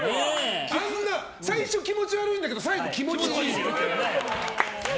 最初気持ち悪いんだけど最後気持ちいい。